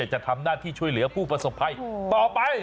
จะทำหน้าที่ช่วยเหลือผู้ประสบภัยต่อไป